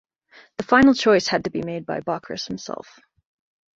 The final choice had to be made by Bockris himself.